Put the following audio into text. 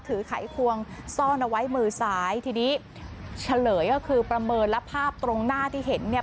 ไขควงซ่อนเอาไว้มือซ้ายทีนี้เฉลยก็คือประเมินและภาพตรงหน้าที่เห็นเนี่ย